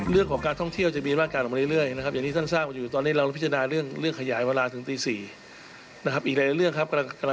เรื่องของการท่องเที่ยวจะมีมากกันออกมาเรื่อยนะครับอย่างที่ท่านทราบว่าอยู่ตอนนี้เราพิจารณาเรื่องขยายเวลาถึงตี๔นะครับ